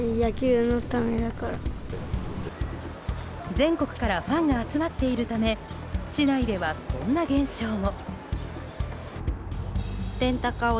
全国からファンが集まっているため市内では、こんな現象も。